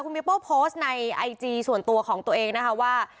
มิโป้โพสต์ในไอจีส่วนตัวของตัวเองนะคะว่า